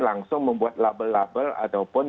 langsung membuat label label ataupun